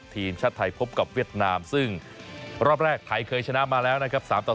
ทีมชาติไทยพบกับเวียดนามซึ่งรอบแรกไทยเคยชนะมาแล้วนะครับ๓ต่อ